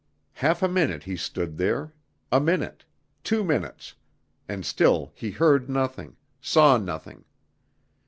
Half a minute he stood there, a minute, two minutes, and still he heard nothing, saw nothing.